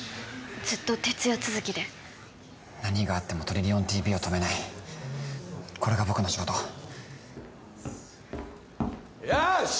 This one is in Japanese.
ずっと徹夜続きで何があってもトリリオンＴＶを止めないこれが僕の仕事よし！